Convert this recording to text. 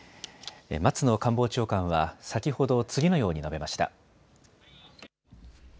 松野官房長官は先ほど次のように述べました。